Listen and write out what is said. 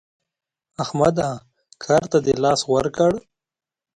احمده کار ته دې لاس ورکړ؟